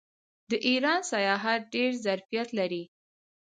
د ایران سیاحت ډیر ظرفیت لري.